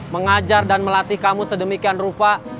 mengajar dan melatih kamu sedemikian rupa